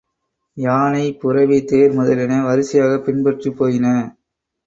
யானை புரவி தேர் முதலியன வரிசையாகப் பின்பற்றிப் போயின.